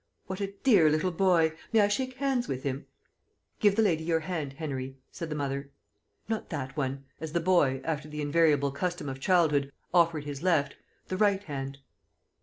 What a dear little boy! May I shake hands with him?" "Give the lady your hand, Henery," said the mother. "Not that one," as the boy, after the invariable custom of childhood, offered his left "the right hand."